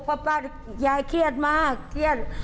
เพราะป้ายายเครียดมากเครียด